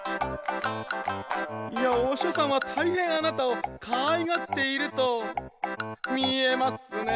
「御師匠さんは大変あなたを可愛がっていると見えますね」